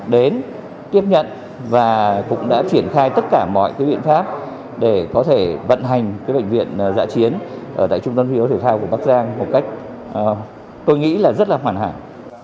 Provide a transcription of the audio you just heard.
đến tiếp nhận và cũng đã triển khai tất cả mọi cái biện pháp để có thể vận hành bệnh viện giã chiến ở tại trung tâm huyết thể thao của bắc giang một cách tôi nghĩ là rất là hoàn hảo